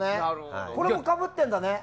これもかぶってるんだよね。